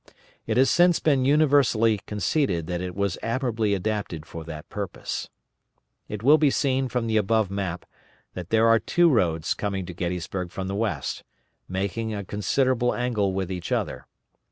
It has since been universally conceded that it was admirably adapted for that purpose. It will be seen from the above map, that there are two roads coming to Gettysburg from the west, making a considerable angle with each other.